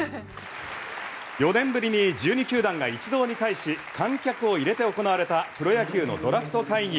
４年ぶりに１２球団が一堂に会し観客を入れて行われたプロ野球のドラフト会議。